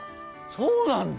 そうなんだ！